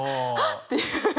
っていう。